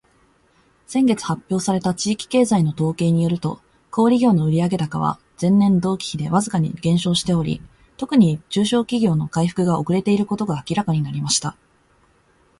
「先月発表された地域経済の統計によると、小売業の売上高は前年同期比でわずかに減少しており、特に中小企業の回復が遅れていることが明らかになりました。」